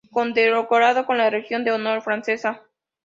Condecorado con la Legión de Honor francesa.